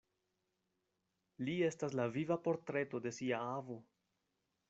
Li estas la viva portreto de sia avo!